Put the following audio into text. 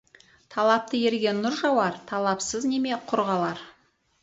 Талапты ерге нұр жауар, талапсыз неме құр қалар.